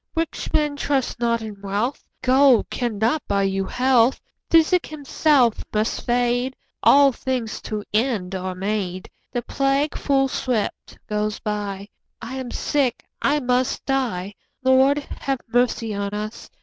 Rich men, trust not in wealth, Gold cannot buy you health; Physic himself must fade; 10 All things to end are made; The plague full swift goes by; I am sick, I must die— Lord, have mercy on us!